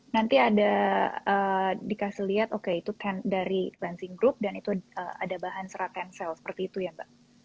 nanti ada dikasih lihat oke itu dari lancing group dan itu ada bahan serat tensel seperti itu ya mbak